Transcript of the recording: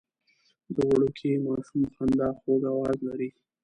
د وړوکي ماشوم خندا خوږ اواز لري.